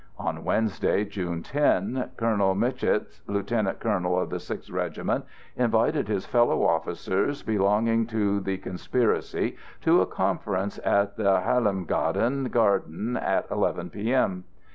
On Wednesday, June 10, Colonel Mitshitch, lieutenant colonel of the Sixth Regiment, invited his fellow officers belonging to the conspiracy to a conference at the Helimagdan Garden at 11 P.M.